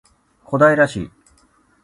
小平市